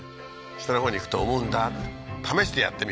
下の方に行くと思うんだって。